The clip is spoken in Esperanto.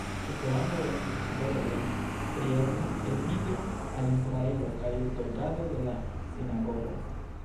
Inter ambaŭ estis kvereloj pri ebla elmigro al Israelo kaj zorgado de la sinagogo.